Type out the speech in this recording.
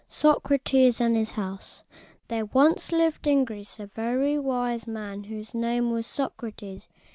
SOCRATES AND HIS HOUSE. There once lived in Greece a very wise man whose name was Soc´ra tes.